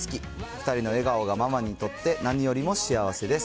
２人の笑顔がママにとって何よりも幸せです。